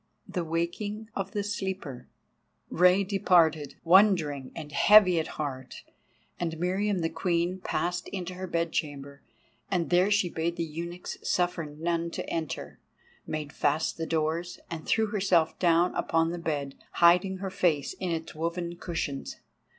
THE WAKING OF THE SLEEPER Rei departed, wondering and heavy at heart, and Meriamun the Queen passed into her bed chamber, and there she bade the eunuchs suffer none to enter, made fast the doors, and threw herself down upon the bed, hiding her face in its woven cushions.